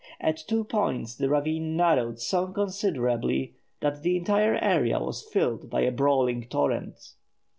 At two points the ravine narrowed so considerably that the entire area was filled by the brawling torrent.